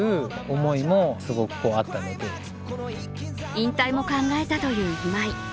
引退も考えたという今井。